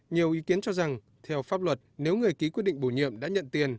nhiều ý kiến cho rằng theo pháp luật nếu người ký quyết định bổ nhiệm đã nhận tiền